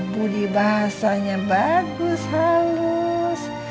budi bahasanya bagus halus